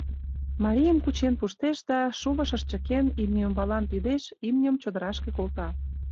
Марийым кучен пуштеш да, шувышыш чыкен, имне ӱмбалан пидеш, имньым чодырашке колта.